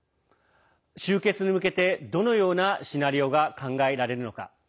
終結に向けて、どのようなシナリオが考えられるのか。